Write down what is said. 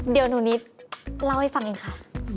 เดี๋ยวหนุนีธเล่าให้ฟังหนึ่งค่ะ